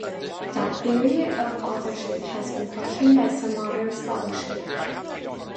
That theory of authorship has been questioned by some modern scholarship.